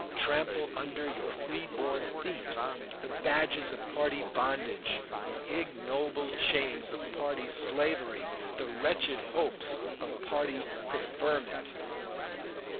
Trample under your free born feet the badges of party bondage, the ignoble chains of party slavery, the wretched hopes of party preferment."